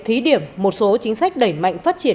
thí điểm một số chính sách đẩy mạnh phát triển